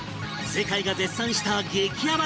世界が絶賛した激ヤバ曲